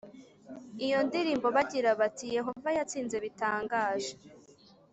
iyo ndirimbo bagira bati Yehova yatsinze bitangaje